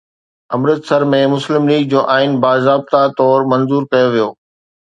امرتسر ۾ مسلم ليگ جو آئين باضابطه طور منظور ڪيو ويو